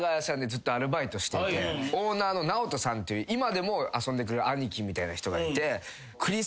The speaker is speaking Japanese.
オーナーのナオトさんっていう今でも遊んでくれる兄貴みたいな人がいて。